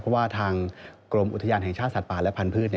เพราะว่าทางกรมอุทยานแห่งชาติสัตว์ป่าและพันธุ์